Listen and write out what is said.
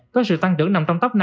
có sự tăng trưởng nằm trong tốc năm